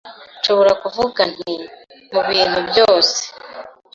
nshobora kuvuga nti “mu bintu byose